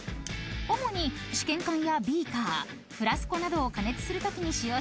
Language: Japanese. ［主に試験管やビーカーフラスコなどを加熱するときに使用します］